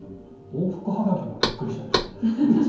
往復はがきもびっくりしたでしょうね。